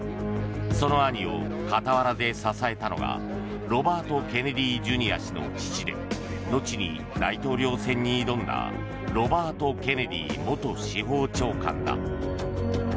その兄を傍らで支えたのがロバート・ケネディ・ジュニア氏の父で後に大統領選に挑んだロバート・ケネディ元司法長官だ。